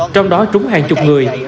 trong đó trúng hàng chục người